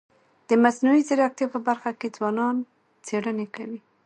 د مصنوعي ځیرکتیا په برخه کي ځوانان څيړني کوي.